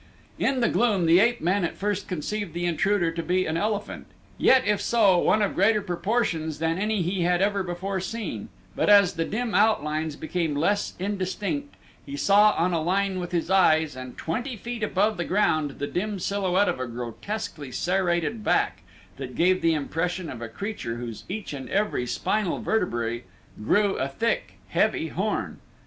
In the gloom the ape man at first conceived the intruder to be an elephant; yet, if so, one of greater proportions than any he had ever before seen, but as the dim outlines became less indistinct he saw on a line with his eyes and twenty feet above the ground the dim silhouette of a grotesquely serrated back that gave the impression of a creature whose each and every spinal vertebra grew a thick, heavy horn.